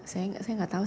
saya tidak tahu